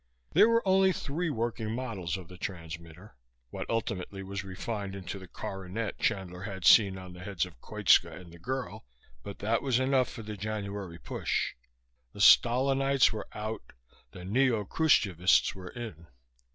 There were only three working models of the transmitter what ultimately was refined into the coronet Chandler had seen on the heads of Koitska and the girl but that was enough for the January push. The Stalinites were out. The neo Krushchevists were in.